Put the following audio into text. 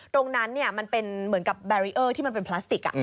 ตรงนั้นเนี่ยมันเป็นเหมือนกับที่มันเป็นพลาสติกอ่ะ